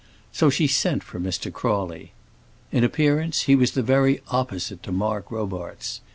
So she sent for Mr. Crawley. In appearance he was the very opposite to Mark Robarts.